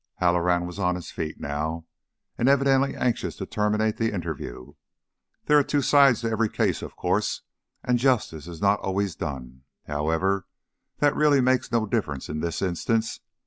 Halloran was on his feet now, and evidently anxious to terminate the interview. "There are two sides to every case, of course, and justice is not always done. However, that really makes no difference in this instance.